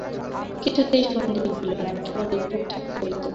কিছুতেই সন্ধি হইল না–কেবলই ঠুকঠাক চলিতেছে।